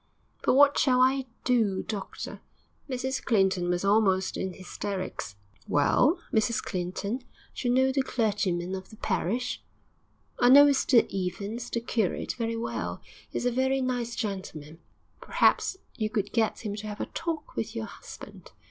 'But what shall I do, doctor?' Mrs Clinton was almost in hysterics. 'Well, Mrs Clinton, d'you know the clergyman of the parish?' 'I know Mr Evans, the curate, very well; he's a very nice gentleman.' 'Perhaps you could get him to have a talk with your husband.